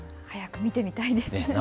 早く見てみたいですね。